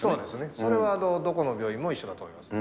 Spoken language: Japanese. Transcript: それはどこの病院も一緒だと思います。